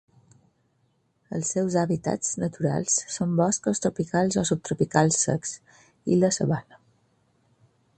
Els seus hàbitats naturals són boscos tropicals o subtropicals secs i la sabana.